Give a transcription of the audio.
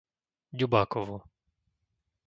Ďubákovo